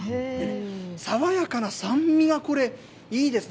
爽やかな酸味がこれ、いいですね。